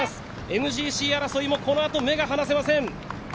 ＭＧＣ争いもこのあと、目が離せません。